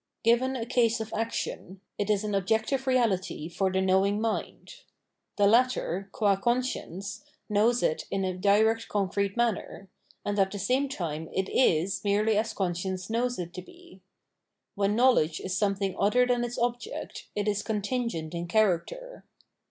Given a case of action ; it is an objective reality for the knowing mind. The latter, qm conscience, knows Conscience 645 it in a direct concrete manner ; and at the same time it is merely as conscience knows it to be. When know ledge is something other than its object, it is contingent in character.